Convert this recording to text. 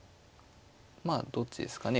まあどっちですかね。